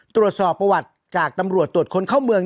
ตรวจสอบประวัติจากตำรวจตรวจคนเข้าเมือง